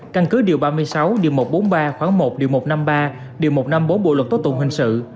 căn cứ điều ba mươi sáu điều một trăm bốn mươi ba khoảng một điều một trăm năm mươi ba điều một trăm năm mươi bốn bộ luật tố tụng hình sự